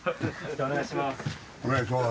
お願いします。